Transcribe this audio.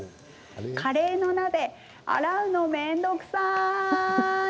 カレーの鍋洗うの面倒くさーい。